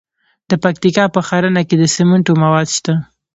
د پکتیکا په ښرنه کې د سمنټو مواد شته.